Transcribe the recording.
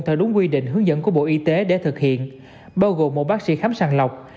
theo đúng quy định hướng dẫn của bộ y tế để thực hiện bao gồm một bác sĩ khám sàng lọc